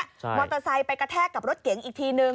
มอเตอร์ไซค์ไปกระแทกกับรถเก๋งอีกทีนึง